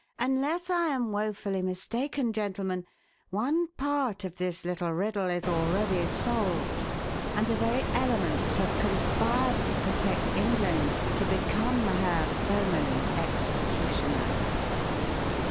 "Unless I am wofully mistaken, gentlemen, one part of this little riddle is already solved, and the very elements have conspired to protect England to become her foeman's executioner."